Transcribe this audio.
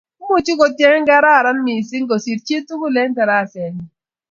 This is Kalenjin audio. Imuchi kotyen kekararan mising kosiir chit ake tukul eng tarasenyi